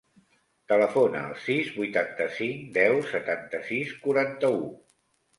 Telefona al sis, vuitanta-cinc, deu, setanta-sis, quaranta-u.